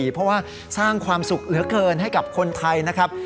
เพราะว่าสร้างความสุขเหลือเกินให้กับคนไทยนะครับ